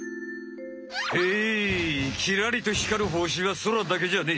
ヘイきらりとひかるほしはそらだけじゃねえ。